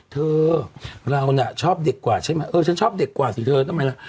เธอเราน่ะชอบเด็กกว่าใช่ไหมเออฉันชอบเด็กกว่าสิเธอทำไมล่ะ